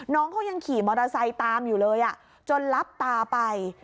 น้องเขายังขี่มอเตอร์ไซค์ตามอยู่เลยจนรับตาไป